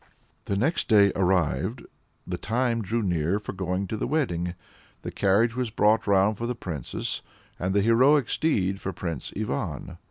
The next day arrived; the time drew near for going to the wedding. The carriage was brought round for the Princess, and the heroic steed for Prince Ivan.